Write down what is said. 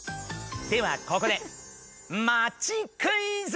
ではここでまちクイズ！